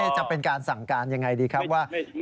จะเป็นการสั่งการยังไงดีครับว่า